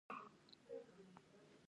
اهدافو ته د رسیدو لارې لټول کیږي.